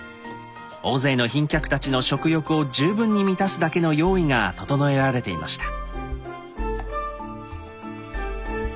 大勢の賓客たちの食欲を十分に満たすだけの用意が整えられていました。